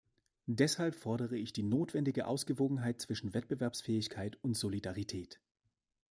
Deshalb fordere ich die notwendige Ausgewogenheit zwischen Wettbewerbsfähigkeit und Solidarität.